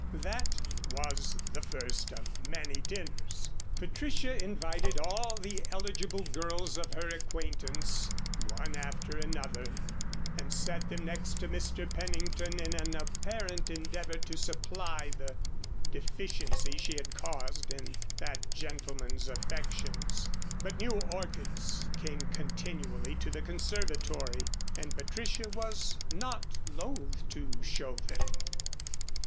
That was the first of many dinners. Patricia invited all the eligible girls of her acquaintance, one after another, and sat them next to Mr. Pennington in an apparent endeavor to supply the deficiency she had caused in that gentleman's affections. But new orchids came continually to the conservatory, and Patricia was not loath to show them.